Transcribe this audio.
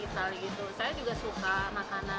saya juga suka makanan